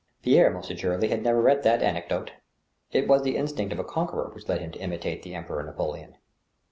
Pierre most assuredly had never read that anecdote. It was the instinct of a conqueror which led him to imitate the Emperor Napoleon.